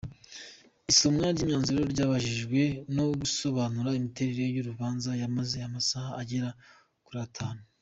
Isomwa ry’imyanzuro ryabanjirijwe no gusobanura imiterere y’urubanza yamaze amasaha agera kuri atanu.